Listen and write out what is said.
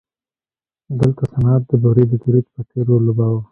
دلته صنعت د بورې د تولید په څېر رول لوباوه.